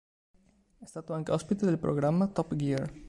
È stato anche ospite del programma "Top Gear".